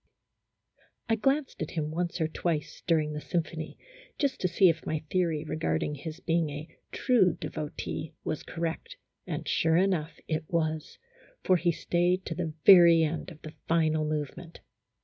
I glanced at him once or twice during the sym phony, just to see if my theory regarding his being a true devotee was correct, and sure enough it was, for he stayed to the very end of the final movement.